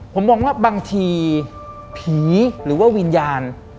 ผมมองว่าบางทีผีหรือว่าวิญญาณ